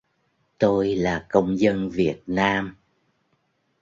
tôi là công dân việt nam